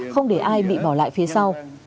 không để ai bị bỏ lại phía sau